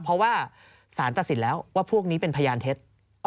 เพราะว่าสารตัดสินแล้วว่าพวกนี้เป็นพยานเท็จ